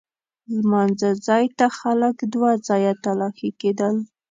لمانځه ځای ته خلک دوه ځایه تلاښي کېدل.